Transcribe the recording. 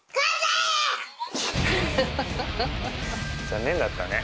残念だったね。